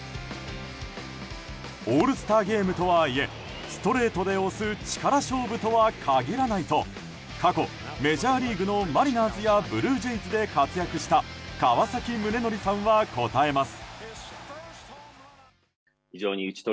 オールスターゲームとはいえストレートで押す力勝負とは限らないと過去、メジャーリーグのマリナーズやブルージェイズで活躍した川崎宗則さんは答えます。